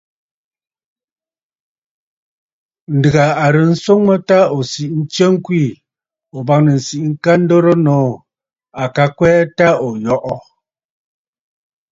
Ǹdèghà a ghɨrə nswoŋ mə ta ò siʼi nstsə ŋkweè, ̀o bâŋnə̀ ǹsiʼi ŋka dorə nòô. À ka kwɛɛ ta ò yɔʼɔ.